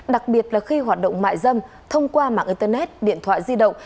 đặc biệt là khi hoạt động mại dâm thông qua mạng internet điện thoại di động